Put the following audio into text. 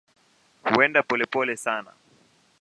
Huenda polepole sana.